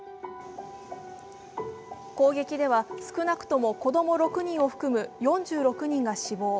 攻撃では少なくとも子供６人を含む４６人が死亡。